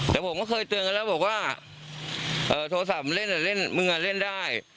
แต่ผมก็เคยเตือนกันแล้วบอกว่าโทรศัพท์มึงเล่นแต่เล่นมึงเล่นได้